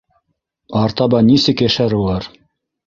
Артабан нисек йәшәр улар?